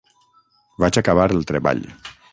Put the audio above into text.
Vaig acabar el treball.